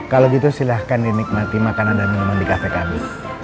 kalau gitu silahkan dinikmati makanan dan minuman di kafe kami